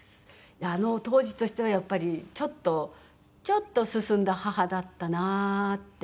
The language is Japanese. あの当時としてはやっぱりちょっとちょっと進んだ母だったなって。